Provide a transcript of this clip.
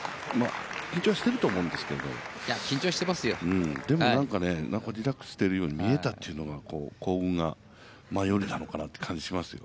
緊張はしていると思うんですけれどもでもなんかリラックスしているように見えたというのが幸運が舞い降りたんだという感じがしますよ。